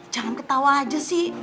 jangan ketawa aja sih